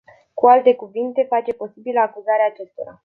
Cu alte cuvinte, face imposibilă acuzarea acestora.